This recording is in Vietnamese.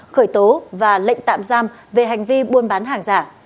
khởi tố và lệnh tạm giam về hành vi buôn bán hàng giả